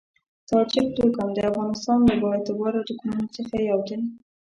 تاجک توکم د افغانستان له با اعتباره توکمونو څخه یو دی.